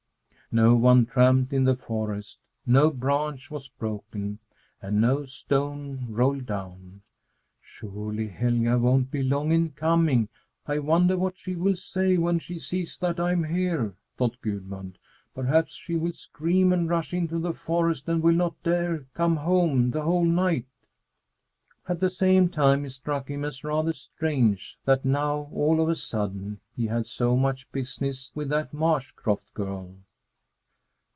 No one tramped in the forest, no branch was broken, and no stone rolled down. "Surely, Helga won't be long in coming! I wonder what she will say when she sees that I'm here?" thought Gudmund. "Perhaps she will scream and rush into the forest and will not dare come home the whole night!" At the same time it struck him as rather strange that now, all of a sudden, he had so much business with that marsh croft girl!